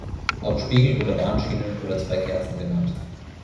Auch Spiegel oder Bahnschienen oder zwei Kerzen genannt.